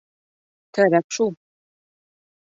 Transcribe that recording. — Кәрәк шул.